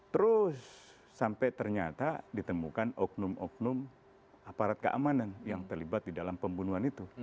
terus sampai ternyata ditemukan oknum oknum aparat keamanan yang terlibat di dalam pembunuhan itu